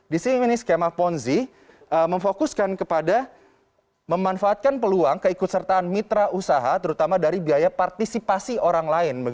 di sini ini skema ponzi memfokuskan kepada memanfaatkan peluang keikut sertaan mitra usaha terutama dari biaya partisipasi orang lain